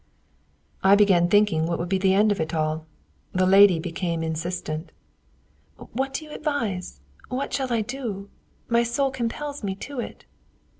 I began thinking what would be the end of it all. The lady became insistent. "What do you advise? What shall I do? My soul compels me to it."